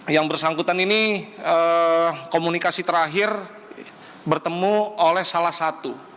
yang bersangkutan ini komunikasi terakhir bertemu oleh salah satu